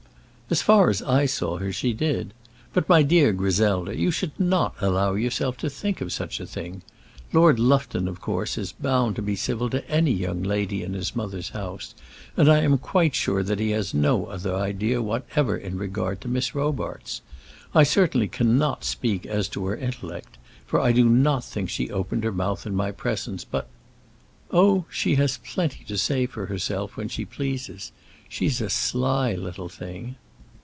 "As far as I saw her, she did. But, my dear Griselda, you should not allow yourself to think of such a thing. Lord Lufton, of course, is bound to be civil to any young lady in his mother's house, and I am quite sure that he has no other idea whatever with regard to Miss Robarts. I certainly cannot speak as to her intellect, for I do not think she opened her mouth in my presence; but " "Oh! she has plenty to say for herself, when she pleases. She's a sly little thing."